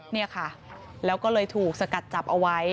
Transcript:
เนี่ยค่ะแล้วก็เลยถูกสกัดจับเอาไว้